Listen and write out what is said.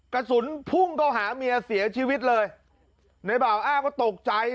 กระสุนพุ่งเข้าหาเมียเสียชีวิตเลยในบ่าวอ้างว่าตกใจ